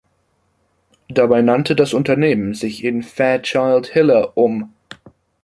Dabei nannte das Unternehmen sich in Fairchild Hiller um.